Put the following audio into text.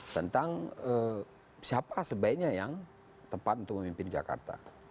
tentang siapa sebaiknya yang tepat untuk memimpin jakarta